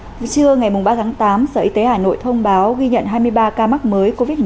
từ trưa ngày ba tháng tám sở y tế hà nội thông báo ghi nhận hai mươi ba ca mắc mới covid một mươi chín